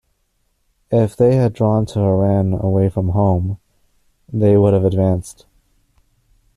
If they had drawn to Iran away from home, they would have advanced.